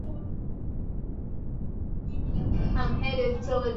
hatua hizi zinavyobadilika au zinaingilia kati uhusiano